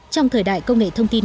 trong thời đại công nghệ thông tin